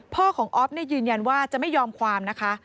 พ่อของอ๊อฟยืนยันว่าจะไม่ยอมความนะคะ